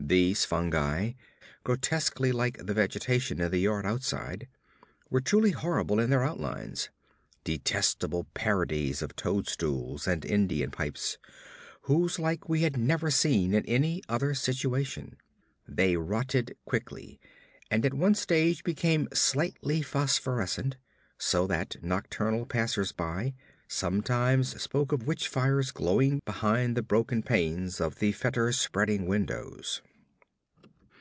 Those fungi, grotesquely like the vegetation in the yard outside, were truly horrible in their outlines; detestable parodies of toadstools and Indian pipes, whose like we had never seen in any other situation. They rotted quickly, and at one stage became slightly phosphorescent; so that nocturnal passers by sometimes spoke of witch fires glowing behind the broken panes of the fetor spreading windows.